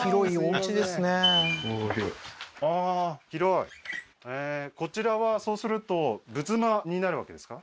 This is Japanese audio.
あー広いへえーこちらはそうすると仏間になるわけですか？